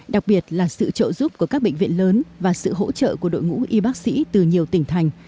đặc biệt là sự trợ giúp của các bệnh viện lớn và sự hỗ trợ của đội ngũ y bác sĩ từ nhiều tỉnh thành